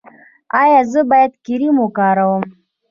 ایا زه باید کریم وکاروم؟